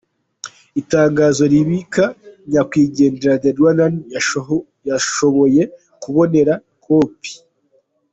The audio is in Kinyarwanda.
Itangazo ribika Nyakwigendera The Rwandan yashoboye kubonera kopi: